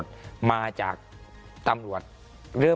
แต่ผมพยายามปรักหลักวันที่๑๓ว่าความรุนแรงทั้งหมดมาจากตำรวจเริ่มเข้ามาสลายการชุมนุม